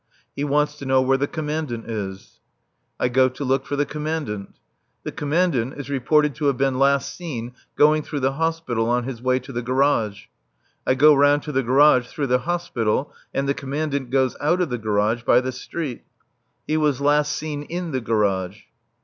He wants to know where the Commandant is. I go to look for the Commandant. The Commandant is reported to have been last seen going through the Hospital on his way to the garage. I go round to the garage through the Hospital; and the Commandant goes out of the garage by the street. He was last seen in the garage.